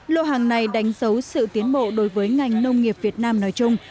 lô hàng này đánh dấu sự tiến bộ đối với ngành nông nghiệp việt nam nói chung